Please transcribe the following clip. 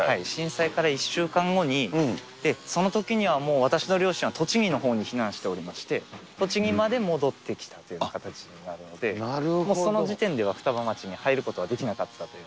震災から１週間後に、そのときにはもう、私の両親は栃木のほうに避難しておりまして、栃木まで戻ってきたというような形になるので、もうその時点では双葉町に入ることができなかった。